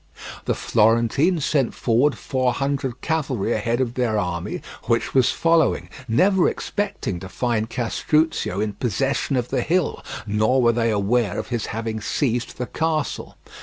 The Florentines sent forward four hundred cavalry ahead of their army which was following, never expecting to find Castruccio in possession of the hill, nor were they aware of his having seized the castle.